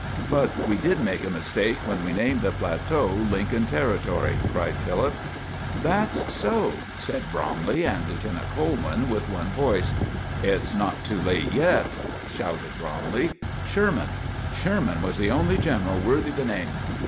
"But we did make a mistake when we named the plateau Lincoln Territory," cried Philip. "That's so," said Bromley and Lieutenant Coleman, with one voice. "It's not too late yet," shouted Bromley. "Sherman! Sherman was the only general worthy the name."